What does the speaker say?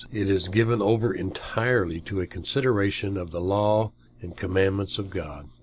It is given over entirely to a consideration of the law and commandments of God.